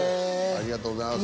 ありがとうございます。